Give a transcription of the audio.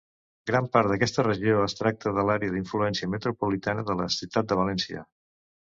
Gran part d'aquesta regió es tracta de l'àrea d'influència metropolitana de la Ciutat de València.